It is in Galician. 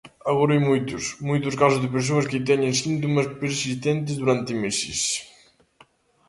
Agora hai moitos, moitos casos de persoas que teñen síntomas persistentes durante meses.